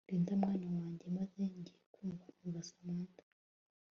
Linda mwana wanjye…maze ngiye kumva numva Samantha